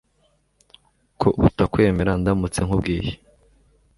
ko utakwemera ndamutse nkubwiye